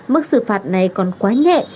mức xử phạt này còn quá nhẹ